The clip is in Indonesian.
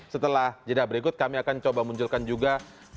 setelah jeda berikut kami akan coba munculkan juga